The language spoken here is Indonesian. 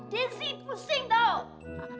dia sih pusing tau